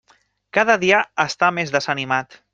Cada dia està més desanimat.